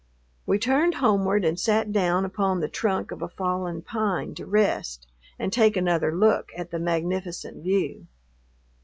We turned homeward and sat down upon the trunk of a fallen pine to rest and take another look at the magnificent view.